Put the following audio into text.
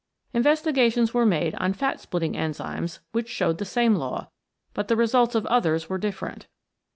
Investigations were made on fat splitting enzymes which showed the same law, but the results of others were different.